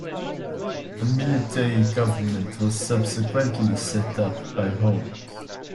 A military government was subsequently set up by Holmes.